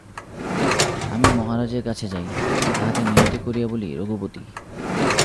আমি মহারাজের কাছে যাই, তাঁহাকে মিনতি করিয়া বলি– রঘুপতি।